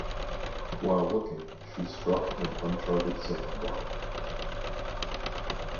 While looking, she struck an uncharted sand bar.